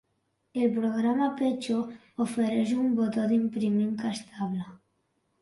El programa Peecho ofereix un botó d'imprimir encastable.